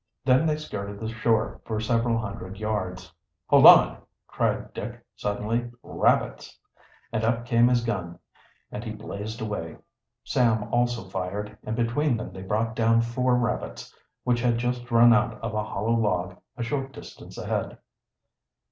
Then they skirted the shore for several hundred yards. "Hold on!" cried Dick suddenly. "Rabbits!" And up came his gun, and he blazed away. Sam also fired, and between them they brought down four rabbits, which had just run out of a hollow log a short distance ahead.